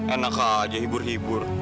enak aja hibur hibur